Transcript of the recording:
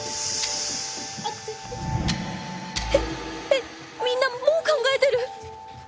えっみんなもう考えてる！